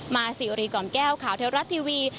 มาสิวรีก่อนแก้วข่าวเทวรัฐทีวี